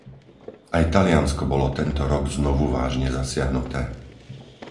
Aj Taliansko bolo tento rok znovu vážne zasiahnuté.